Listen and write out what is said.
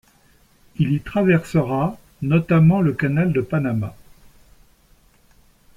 Il y traversera notamment le canal de Panama.